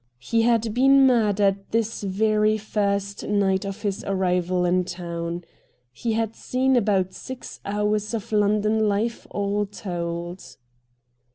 He had been murdered this very first night of his arrival in town. He had seen about six hours of London life all told.